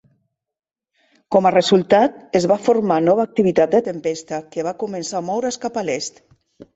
Com a resultat, es va formar nova activitat de tempesta, que va començar a moure's cap a l'est.